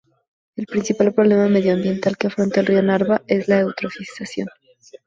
El principal problema medioambiental que afronta el río Narva es la eutrofización.